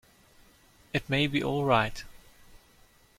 It may be all right.